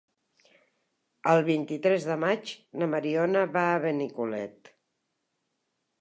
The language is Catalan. El vint-i-tres de maig na Mariona va a Benicolet.